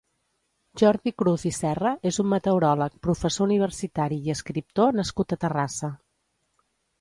Jordi Cruz i Serra és un meteoròleg, professor universitari i escriptor nascut a Terrassa.